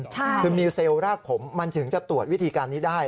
คือมีเซลล์รากผมมันถึงจะตรวจวิธีการนี้ได้